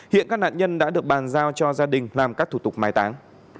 hiện các nạn nhân đã được bàn giao cho gia đình làm các thủ tục mái tán